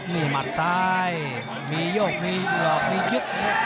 นี่มัดซ้ายมีโยกมีเอาออกมียึด